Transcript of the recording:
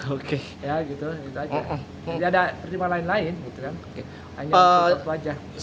oke ya gitu aja jadi ada pertimbangan lain lain gitu kan